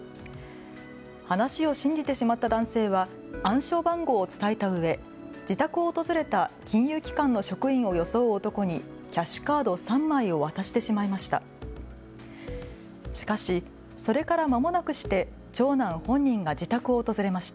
話を信じてしまった男性は暗証番号を伝えたうえ自宅を訪れた金融機関の職員を装う男にキャッシュカード３枚を渡してしまいました。